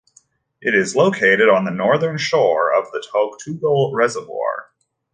It is located on the northern shore of the Toktogul reservoir.